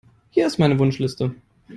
Hier ist meine Wunschliste.